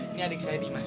ini adik saya dimas